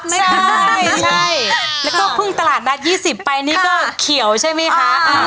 ใช่แล้วก็พึ่งตลาดนัดยี่สิบไปนี่ก็เขียวใช่ไหมคะ